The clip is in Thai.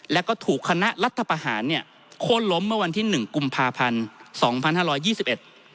และก็ถูกคณะรัฐประหารโคลมเมื่อวันที่๑กุมภาพันธ์๒๕๒๑